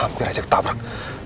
hampir aja ketabrak